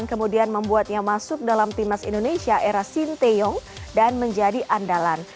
kemudian membuatnya masuk dalam timnas indonesia era sinteyong dan menjadi andalan